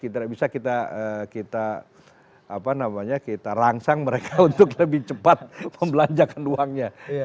tidak bisa kita rangsang mereka untuk lebih cepat membelanjakan uangnya